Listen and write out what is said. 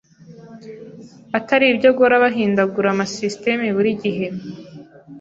Atari ibi byo guhora bahindagura ama systeme buri gihe.